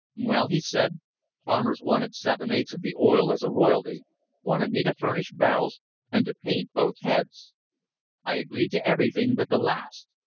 "Well," he said, "farmers wanted seven eighths of the oil as a royalty, wanted me to furnish barrels and to paint both heads. I agreed to everything but the last.